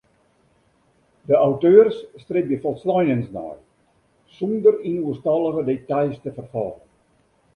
De auteurs stribje folsleinens nei sûnder yn oerstallige details te ferfallen.